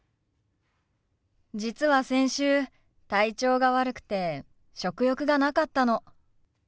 実は先週体調が悪くて食欲がなかったの。